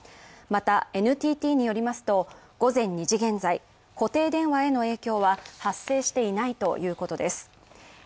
またＮＴＴによりますと午前２時現在、固定電話への影響は発生していないということです。